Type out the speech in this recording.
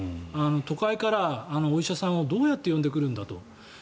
都会からお医者さんをどうやって呼んでくるんだと。